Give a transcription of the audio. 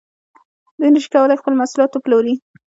دوی نشي کولای خپل محصولات وپلوري